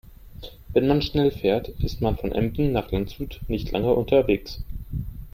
Wenn man schnell fährt, ist man von Emden nach Landshut nicht lange unterwegs